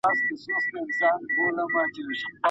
د روغتون مدیر کوم مهارتونه لري؟